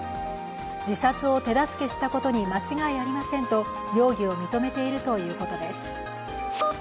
自殺を手助けしたことに間違いありませんと容疑を認めているということです。